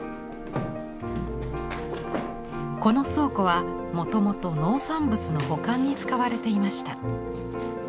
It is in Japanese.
この倉庫はもともと農産物の保管に使われていました。